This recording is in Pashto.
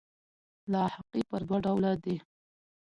لاحقې پر دوه ډوله دي.